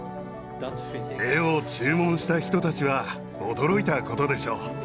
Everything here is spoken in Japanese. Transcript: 絵を注文した人たちは驚いたことでしょう。